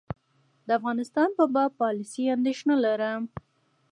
د افغانستان په باب پالیسي اندېښنه لرم.